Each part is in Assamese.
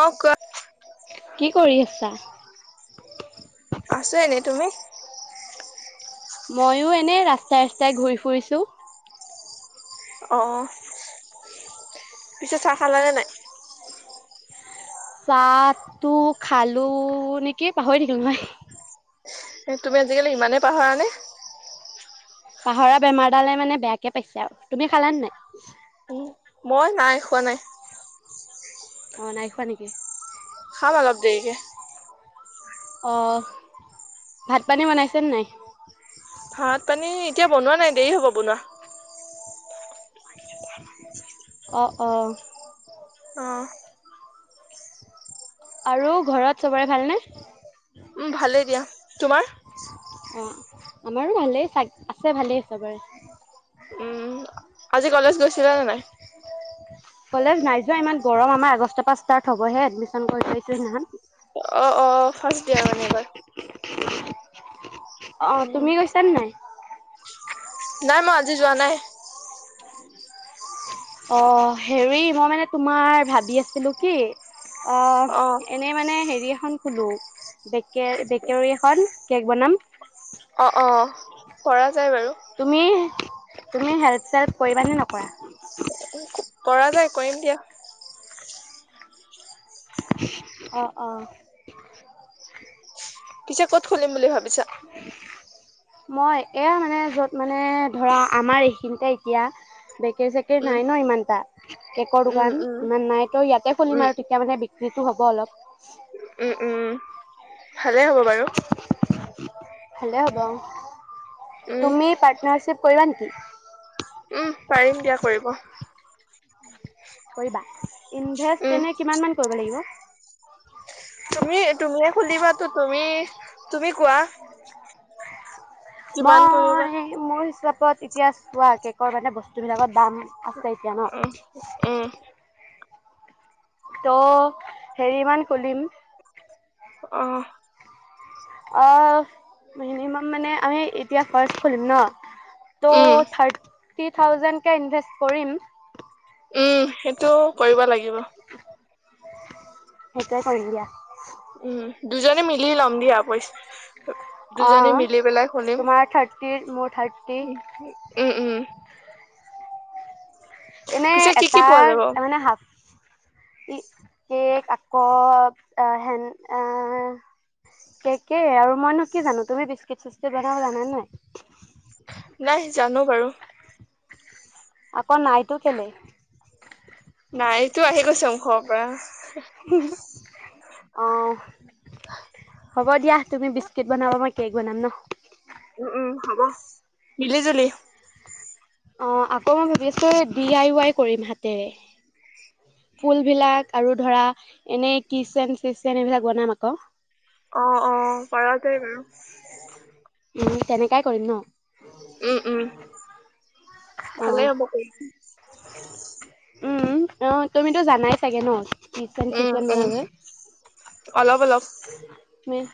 অ' ক কি কৰি আছা? আছো এনে, তুমি? নে ৰাস্তাই ৰাস্তাই ঘূৰি ফুৰিছো। অ', পিছে চাহ খালানে নাই? চাহটো খালো নেকি পাহৰি থাকিল নহয়। এ তুমি আজিকালি ইমানে পাহৰা নে? পাহৰা বেমাৰডালে মানে বেয়াকে পাইছে আৰু তুমি খালা নাই? উম মই নাই খোৱা নাই। অ', নাই খোৱা নেকি? খাম অলপ দেৰিকে। অ', ভাত পানী বনাইছেনে নাই? ভাত পানী এতিয়া বনোৱা নাই দেৰি হ'ব বনোৱা। অ', অ'। অ আৰু ঘৰত চবৰে ভালনে? উম ভালেই দিয়া, তোমাৰ? অ', আমাৰো ভালেই চ আছে ভালেই চবৰে। উম আজি কলেজ গৈছিলা নে নাই? কলেজ নাই যোৱা ইমান গৰম আমাৰ আগষ্ট পা ষ্টাৰ্ট হ'বহে এডমিচন কৰি থৈছো সেইদিনাখন। অ', অ', ফাৰ্ষ্ট দিয়াৰ মানে এইবাৰ। অ', উম তুমি গৈছানে নাই? নাই মই আজি যোৱা নাই। অ', হেৰি মই মানে তোমাৰ ভাবি আছিলো কি অ এনেই মানে হেৰি এখন খোলো। ব বেকাৰী এখন। কেক বনাম। অ', অ'। কৰা। তুমি তুমি হেল্প চেল্প কৰিব নে নকৰা? পৰা যায় কৰিম দিয়া। অ', অ'। [inaudible] পিছে কত খুলিম বুলি ভাবিছা? মই এয়া মানে য'ত মানে ধৰা আমাৰ এইখিনিতে এতিয়া চেী চেকী উম নাই ন ইমানটা কেকৰ উম দোকান উম ইমান নাই তো ইয়াতে খুলিম উম আৰু তেতিয়া মানে বিক্ৰী টো হ'ব অলপ। উম, উম। ভালেই হ'ব বাৰু ভালে হ'ব অ। উম তুমি পাৰ্টনাৰশ্বিপ কৰিবা নেকি? [inaudible] উহ, পাৰিম দিয়া কৰিব। কৰিবা, ইনভেষ্ট উম, এনে কিমান মান কৰিব লাগিব? তুমি তুমিয়ে খুলিবাতো তুমি তুমি কোৱা। কিমান কৰিবা মই মোৰ হিচাপ ক'ত এতিয়া চোৱা কেকৰ মানে বস্তুবিলাকত দাম আছে এতিয়া উম, উম, ন। ত' হেৰিমান খুলিম। অহ। অ', মিনিমাম মানে আমি এতিয়া ফাৰ্ষ্ট খুলিম ন। টু উম, থাৰ্ড থ্ৰী থাউজেণ্ডকে ইনভেষ্ট কৰিম। উম, সেইটো কৰিব লাগিব সেইটোৱে কৰিম দিয়া। উম, দুজনে মিলি লম দিয়া পইচা দুজনী অ', মিলি পেলাই খুলিম তোমাৰ থাৰ্ত টিত মোৰ থাৰ্টি। উম, উম, এনে, পিছে কি কি এটা, পোৱা যাব এ মানে হাফ ই কেক আক', হেন, এ, কেক এ আৰু, মইনো কি জানো, তুমি বিস্কুট চিস্কুট বনাব জানা নে নাই? নাই জানো বাৰু আকৌ নাইটো কেলে নাইটো আহি গৈছে মুখৰ পৰা। অঁ হ'ব দিয়া, তুমি বিস্কুট বনাবা, মই কেক বনাম ন। উম উম, হ'ব। মিলি জুলি অ, আকৌ মই ভাবি আছোঁ ডি আই ৱাই কৰিম হাতেৰে ফুলবিলাক আৰু ধৰা এনেই কিচেন চিচেন এইবিলাক বনাম আকৌ অ, অ' [unintelligible] বাৰু উম, তেনেকাই কৰিম ন? উম, উম। ভালে অঁ হ'ব কৰিম। উম, অ' তুমিতো জানাই চাগে ন? কিচেন উম, চিচেন উম, বনাবলৈ অলপ অলপ উম,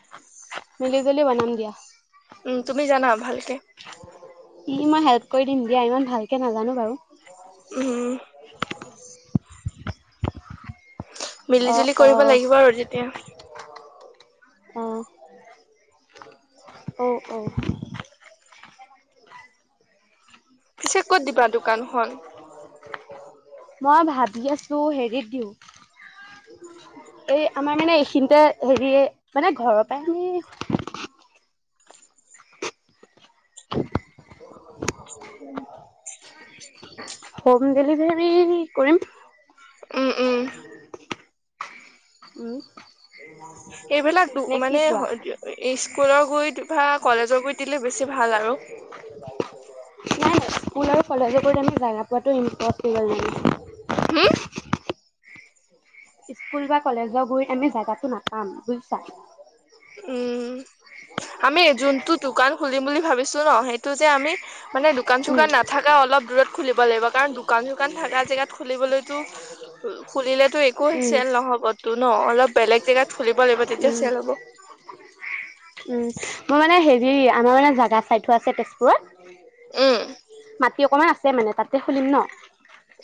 মিলি জুলি বনাম দিয়া। উম, তুমি জানা ভালকে উ মই হেল্প কৰি দিম এয়া ইমান ভালকৈ নাজানো বাৰু। উম অঁ মিলি-জুলি কৰিব লাগিব আৰু যেতিয়া। অহ, অ', অ'। পিছে ক'ত দিবা দোকানখন? মই ভাবি আছোঁ হেৰিত দিওঁ। এই আমাৰ মানে এইখিনিতে হেৰি মানে ঘৰৰ পৰাই আমি [inaudible] [inaudible] হোম ডেলিভাৰী কৰিম। উম উম [inaudible] উম। এইবিলাক দু নে কি মানে কোৱা স্কুলৰ গৈ বা কলেজত গৈ দিলে বেছি ভাল আৰু। কলেজে গৈ আমি জাগা যোৱাটো ইম্প'চিবল লাগিব। হম ইস্কুল বা কলেজৰ গৈ আমি জাগাটো নাপাম বুজিছা। উম, আমি যোনটো দোকান খুলিম বুলি ভাবিছোঁ ন, সেইটো যে আমি মানে দোকান উম চোকান নাথকা অলপ দূৰত খুলিব লাগিব কাৰণ দোকান চোকান থাকা জেগাত খুলিবলৈটো খুলিলেটো একো চেল উম নহ'বটো ন' অলপ বেলেগ জেগাত খুলিব লাগিব তেতিয়া উম চেল হ'ব। উম, মোৰ মানে হেৰি, আমাৰ মানে জাগা চাই থোৱা আছে তেজপুৰত। উম। মাটি অকণমান আছে মানে তাতে খুলিম ন'।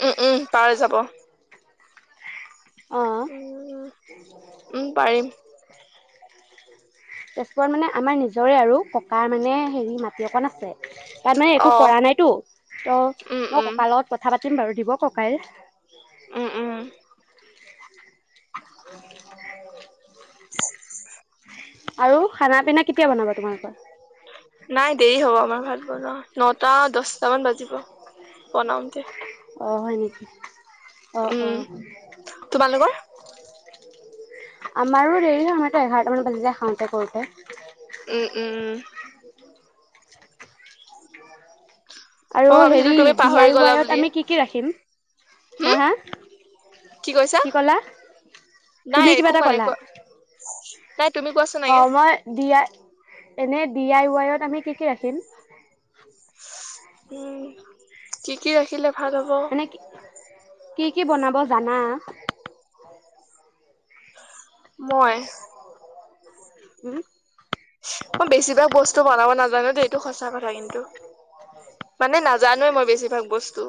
উম, উম, পাৰা যাব। অ উম, উম, পাৰিম। তেজপুৰত মানে আমাৰ নিজৰে আৰু ককাৰ মানে হেৰি মাটি অকণ আছে। তাত মানে একো অ কৰা নাইটো ত' উম মই উম ককাৰ লগত কথা পাতিম বাৰু। দিব ককাই। উম, উম। আৰু খানা পিনা কেতিয়া বনাবা তোমালোকৰ? নাই দেৰি হ'ব আমাৰ ভাত বনোৱা, নটা দছটা মান বাজিব বনাওঁতে। অ', হয় নেকি। অহ, উম অহ। তোমালোকৰ আমাৰো দেৰি হয়, আমাৰটো এঘাৰটামান বাজি যাই খাওঁতে কৰোঁতে। উম উম আৰু মই ভাবিছিলো হেৰি তুমি ডি পাহৰি আই গলা ৱাইত বুলিয়ে আমি কি কি ৰাখিম? হম হা-হা কি ক'লা নাই তুমি কিবা একো এটা কোৱা নাই ক'লা। কোৱা নাই তুমি কোৱাচোন অ আগে মই দিয়া। এনে ডি আই ৱাইত আমি কি-কি ৰাখিম? উম, কি-কি ৰাখিলে। ভাল হ'ব মানে কি। কি-কি বনাব জানা। মই। উম। মই বেছিভাগ বস্তু বনাব নাজানো দেই। এইটো সঁচা। কথা কিন্তু মানে নাজানোৱে মই বেছিভাগ বস্তু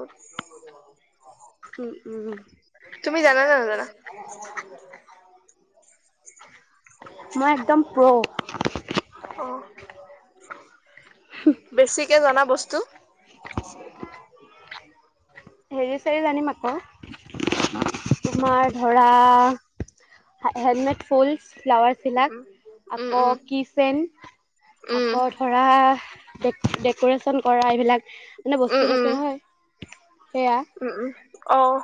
উম উম তুমি জানা নে নাজানা। মই একদম প্ৰও। [unintelligible] অহ। বেছিকে জানা বস্তু। হেৰি চাৰি জানিম আকৌ, তোমাৰ ধৰা, হেলমেট ফুল, ফ্লাৱাৰ চিলাক, উম উম আকৌ কি চেন, উম আকৌ ধৰা, ডক ডেক'ৰেশচন কৰা এইবিলাক, মানে বস্তু থাকে হয়। উম-উম, অ',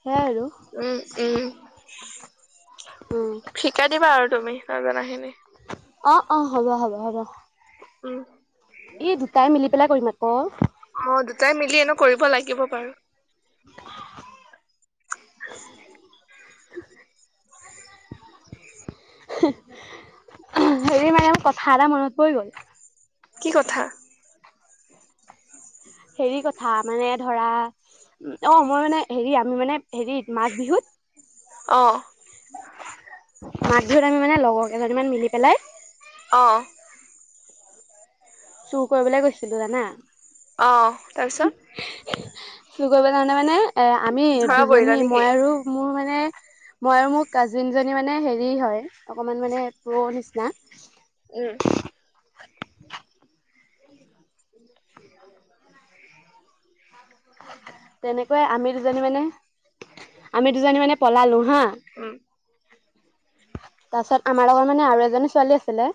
সেয়াই আৰু উম-উম উম, শিকাই দিবা আৰু তুমি ন জনাখিনি। অ-অ, হ'ব-হ'ব-হ'ব। মিলি পেলাই কৰিম আকৌ অহ দুটাই মিলি এনো কৰিব লাগিব। বাৰু। উম [unintelligible] হেৰি কথা এটা মনত পৰি গ'ল,। কি কথা? হেৰি কথা মানে ধৰা, উ অ মই মানে, হেৰি আমি মানে, হেৰি মাঘ বিহুত, অ মাঘ বিহু আমি মানে লগৰ কেইজনীমান মিলি পেলাই, অঁ চোৰ কৰিবলৈ গৈছিলো জানা। অ তাৰপিছত হয় [inaudible] কি কৰিব কাৰণে মানে, আমি ধৰা পৰিলা দুজনী নেকি মই আৰু মোৰ মানে, মই আৰু মোৰ কাজিন জনী মানে হেৰি হয়। অকমান মানে প্ৰও নিচিনা। উম। [inaudible] [inaudible] তেনেকুৱাই, আমি দুজনী মানে আমি দুজনী মানে পলালো হা উম [inaudible] পাছত আমাৰ লগত মানে আৰু এজনী ছোৱালী আছিলে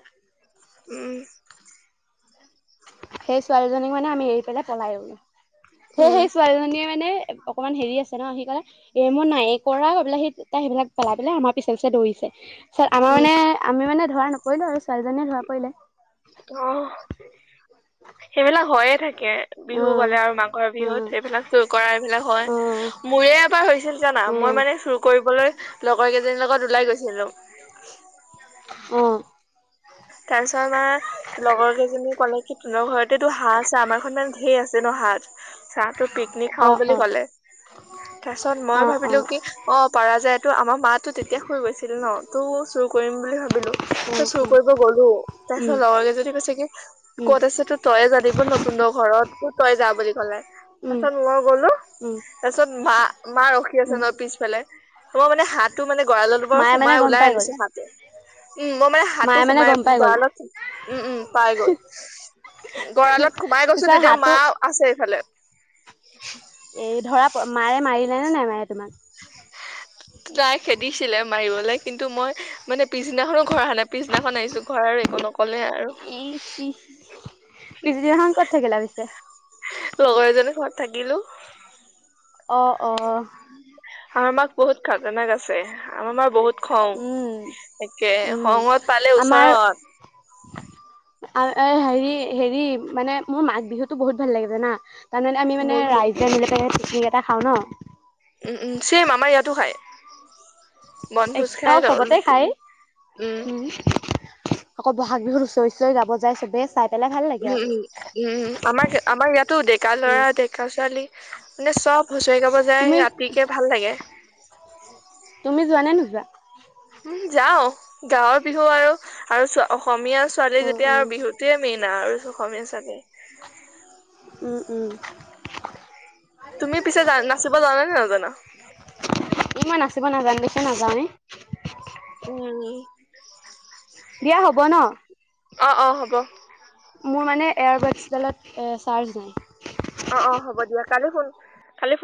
উ সেই ছোৱালীজনীক মানে আমি এৰি পেলাই পলাই গলো। সে- উম সেই ছোৱালীজনীয়ে মানে অকমান হেৰি আছে ন, সেইকাৰণে এ, মই নাই এ কৰা অ' এইবিলাক হেইত তাই সেইবিলাক পেলাই পেলাই, আমাৰ পিছে পিছে দৌৰিছে। ছত, আমাৰ উম মানে, আমি মানে ধৰা নপৰিলোঁ আৰু, ছোৱালীজনীয়ে ধৰা পৰিলে। অ সেইবিলাক হৈয়ে থাকে, অ বিহু বজাৰ আৰু মাঘৰ বিহুত, সেইবিলাক চুৰ কৰা এইবিলাক হয়। মোৰে এবাৰ হৈছিল জানা, অ অ মই অ মানে চুৰ কৰিবলৈ লগৰ কেইজনীৰ লগত ওলাই গৈছিলো উম তাৰছত আমাৰ, লগৰ কেইজ জনী ক'লে কি, তোতৰ ঘৰতেতো হাঁহ আছে, আমাৰ [inaudible] সেই আছে ন হাত চাহটো পিকনিক খাওঁ অ', বুলি অ', ক'লে তাৰিছত মই অ', ভাবিলো অ', অ', কি অ', পাৰা যায়। টো আমাৰ মটো তেতিয়া শুই গৈছিল ন তো চুৰ কৰিম বুলি ভাবিলো চ' উম, চুৰ কৰি গ'লো তাৰপিছত লগ লগে যদি কৈছে কি উম, ক'ত আছে তো তয়ে জানিব নতুন ঘৰত তো তই যা বুলি ক'লে। উম, তাৰপিছত মই গ'লো উম, তাৰপিছত মা মা ৰখি আছে উম, ন' পিছফালে মই মানে হাতটো মানে গৰালত বৰ মায়ে মানে সোমাই গম ওলাই পাই গ'ল, আনিছো হাতে উম, মই মানে হাত টো মায়ে মানে সোমাই গম পাই গ'ল, গৰালত উম, উম, পাই গ'ল। [inaudible] গৰালত সোমাই গৈছোঁ পিছত তেতিয়া হাতটো মা আছে এইফালে। এই ধৰা মাৰে মাৰিলে নে নাই মাৰে তোমাক? তাই খেদিছিলে মাৰিবলৈ কিন্তু মই মানে পিছদিনাখনো ঘৰ আহা নাই পিছদিনাখন আহিছো ঘৰ আৰু একো নকলে আৰু ইচ ইচ পিছদিনাখন ক'ত থাকিলা পিছে? লগৰ এজনী ঘৰত থাকিলো অ অ আমাৰ মাক বহুত খাতনাক আছে আমাৰ মা‌ বহুত খং উম, একে খঙত পালে ওচৰত এ হেৰি হেৰি মানে মোৰ মাঘ বিহুতো বহুত ভাল লাগে জানা তাৰমানে আমি মানে মোৰো ৰাইজে [unintelligible] বি এটা খাওঁ ন? উম উম চেম আমাৰ ইয়াটো খায়। এক অঁ সবতে খায়, উম আকৌ ব'হাগ বিহুত হুচৰি হুচই গাব যায় সবে চাই পেলাই ভাল লাগে আৰু। উম-উম-উম উম্ আমাৰ আমাৰ ইয়াতো ডেকা উম, ল'ৰা ডেকা ছোৱালী মানে সব হুঁচৰি গাব যায় তুমি ৰাতিকে ভাল লাগে। তুমি যোৱা নে নোযোৱা? যাওঁ, গাঁৱৰ বিহু আৰু আৰু চ অসমীয়া ছোৱালী উম, যেতিয়া উম, আৰু বিহুটোৱে মেইন আৰু অসমীয়া ছোৱালী। উম, উম। তুমি পিছে নাচিব জানা নে নাজানা? এই মই নাচিব নাজানো দেখিয়ে নাযাওঁৱেই। দিয়া হ'ব ন' [inaudible] অঁ অঁ হ'ব। মোৰ মানে এয়াৰবেকছডালত চাৰ্জ নাই অ-অ হ'ব দিয়া কালি ফোন কালি